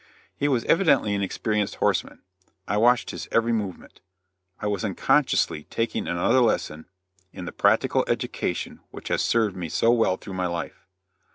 He was evidently an experienced horseman. I watched his every movement. I was unconsciously taking another lesson in the practical education which has served me so well through my life.